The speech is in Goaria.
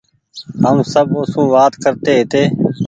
هم سب اوسون وآتي ڪرتي هيتي